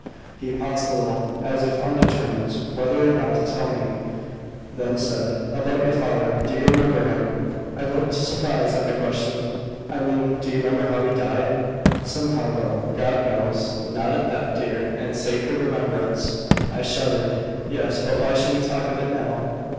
He paused a little, as if undetermined whether or not to tell me; then said: "About your father. Do you remember him?" I looked surprised at the question. "I mean, do you remember how he died?" Somehow though, God knows, not at that dear and sacred remembrance I shuddered. "Yes; but why should we talk of it now?"